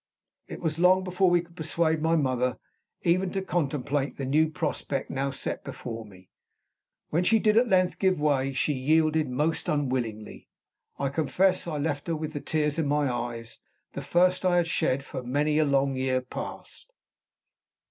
It was long before we could persuade my mother even to contemplate the new prospect now set before me. When she did at length give way, she yielded most unwillingly. I confess I left her with the tears in my eyes the first I had shed for many a long year past.